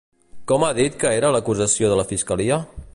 Com ha dit que era l'acusació de la fiscalia?